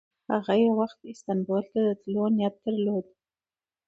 هغه یو وخت استانبول ته د تللو نیت درلود.